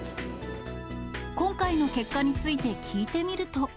今回の結果について聞いてみると。